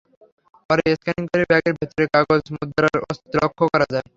পরে স্ক্যানিং করে ব্যাগের ভেতর কাগজের মুদ্রার অস্তিত্ব লক্ষ করা যায়।